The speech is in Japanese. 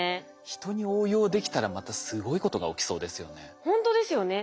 人に応用できたらまたすごいことが起きそうですよね。